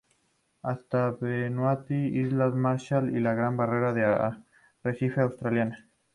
Hasta Vanuatu, islas Marshall y la Gran Barrera de Arrecife australiana.